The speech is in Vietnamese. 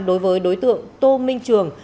đối với đối tượng tô minh trường